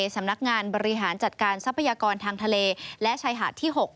สำนักงานบริหารจัดการทรัพยากรทางทะเลและชายหาดที่๖